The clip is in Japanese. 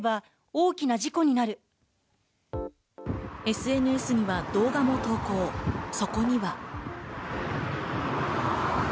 ＳＮＳには動画も投稿、そこには。